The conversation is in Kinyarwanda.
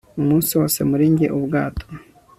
umunsi wose muri njye-ubwato